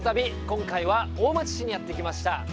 今回は大町市にやってきました。